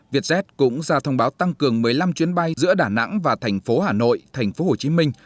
vietjet cũng ra thông báo tăng cường một mươi năm chuyến bay giữa đà nẵng và thành phố hà nội thành phố hồ chí minh